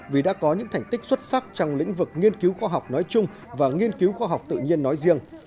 vì đã có những thành tích xuất sắc trong lĩnh vực nghiên cứu khoa học nói chung và nghiên cứu khoa học tự nhiên nói riêng